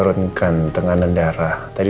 bisa pindahkan dari sana